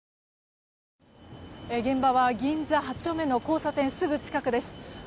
現場は銀座８丁目の交差点すぐ近くです。